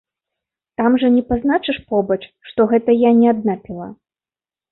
Там жа не пазначыш побач, што гэта я не адна піла.